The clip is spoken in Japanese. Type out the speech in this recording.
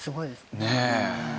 ねえ。